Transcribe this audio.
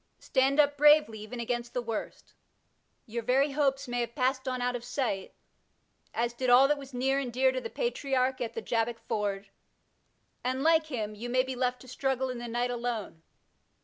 Stand up bravely, even against the worst. Your very hopes may have passed on out of sight, as did all that was near and dear to the Patriarch at the Jabbok ford, and, like him, you may be left to struggle in the night alone.